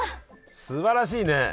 すばらしいね。